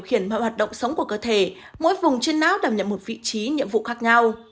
khiển mọi hoạt động sống của cơ thể mỗi vùng trên não đảm nhận một vị trí nhiệm vụ khác nhau